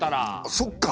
そっか！